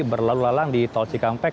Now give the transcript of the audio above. berlalu lalang di tol cikampek